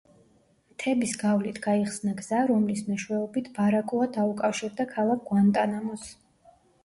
მთების გავლით გაიხსნა გზა, რომლის მეშვეობით ბარაკოა დაუკავშირდა ქალაქ გუანტანამოს.